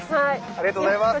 ありがとうございます！